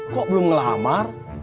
kok belum melamar